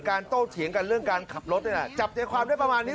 โต้เถียงกันเรื่องการขับรถนี่แหละจับใจความได้ประมาณนี้